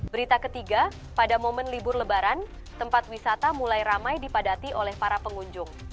berita ketiga pada momen libur lebaran tempat wisata mulai ramai dipadati oleh para pengunjung